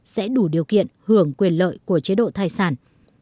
sẽ đủ điều kiện hưởng quyền lợi của chế độ thai sản